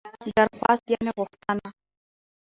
درخواست √غوښتنه